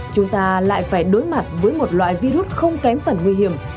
chúng ta lại phải đối mặt với một loại virus không kém phần nguy hiểm